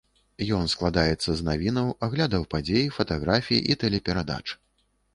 Ён складаецца з навінаў, аглядаў падзей, фатаграфій і тэлеперадач.